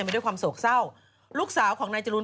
ด้วยความโศกเศร้าลูกสาวของนายจรูน